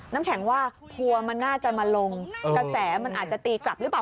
น้ำแข็งว่าทัวร์มันน่าจะมาลงกระแสมันอาจจะตีกลับหรือเปล่า